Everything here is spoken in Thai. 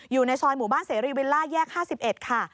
อยู่ในซอยหมู่บ้านเสรีวิลล่าแยก๕๑ค่ะ